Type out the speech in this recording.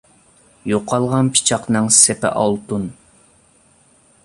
يوقالغان پىچاقنىڭ سېپى ئالتۇن.